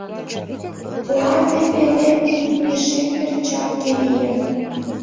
Плате пелен пидме шем перчатке лийын.